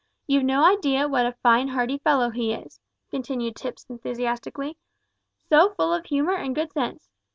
You've no idea what a fine hearty fellow he is," continued Tipps enthusiastically, "so full of humour and good sense.